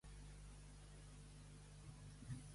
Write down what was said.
Què em faries una reserva al Terrat per sopar?